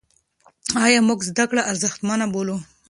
ایا موږ زده کړه ارزښتمنه بولو؟